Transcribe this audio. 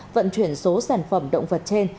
vận chuyển số sản phẩm động vật trên